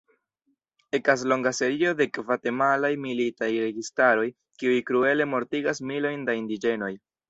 Ekas longa serio de gvatemalaj militaj registaroj, kiuj kruele mortigas milojn da indiĝenoj.